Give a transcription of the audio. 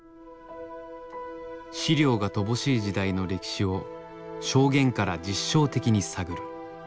資料が乏しい時代の歴史を証言から実証的に探る。